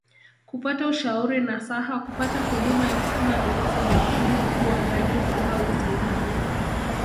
Kupata ushauri nasaha kupata huduma ya kupima virusi vya Ukimwi uangalizi au usaidizi